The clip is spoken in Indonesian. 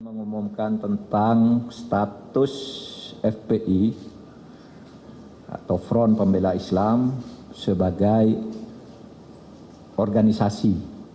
mengumumkan tentang status fpi atau front pembela islam sebagai organisasi